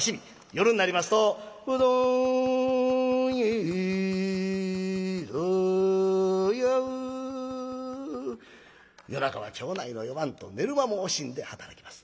夜になりますと「うどんやえ」。夜中は町内の夜番と寝る間も惜しんで働きます。